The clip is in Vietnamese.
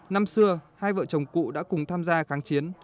năm xưa hai vợ chồng cụ đã cùng tham gia kháng chiến